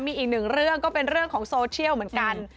มีอีกหนึ่งเรื่องก็เป็นเรื่องของโซเชียลเหมือนกัน